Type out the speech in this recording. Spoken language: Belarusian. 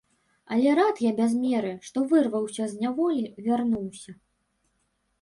Але рад я без меры, што вырваўся з няволі, вярнуўся.